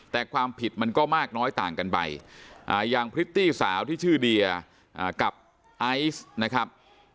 แต่ความผิดมันก็มากน้อยต่างกันไปอย่างพริตตี้สาวที่ชื่อเดียกับไอซ์นะครับ